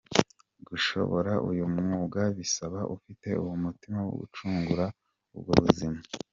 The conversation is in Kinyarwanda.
Gushobora uyu mwuga bisaba ufite uwo mutima wo gucungura ubwo buzima.